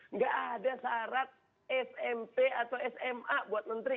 nggak ada syarat smp atau sma buat menteri